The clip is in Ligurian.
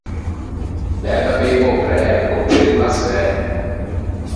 Dæ da beive a-o præve che o cego o l’à sæ.